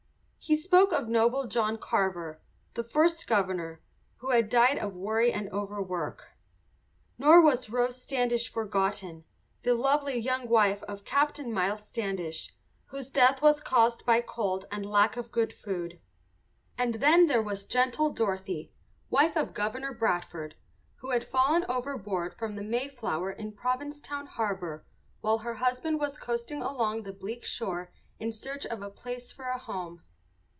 He spoke of noble John Carver, the first governor, who had died of worry and overwork. Nor was Rose Standish forgotten, the lovely young wife of Captain Miles Standish, whose death was caused by cold and lack of good food. And then there was gentle Dorothy, wife of Governor Bradford, who had fallen overboard from the Mayflower in Provincetown harbour while her husband was coasting along the bleak shore in search of a place for a home.